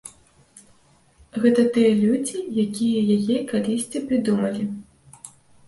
Гэта тыя людзі, якія яе калісьці прыдумалі.